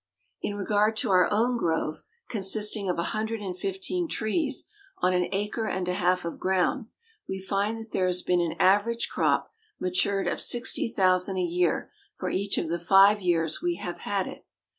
In regard to our own grove, consisting of a hundred and fifteen trees on an acre and a half of ground, we find that there has been an average crop matured of sixty thousand a year for each of the five years we have had it.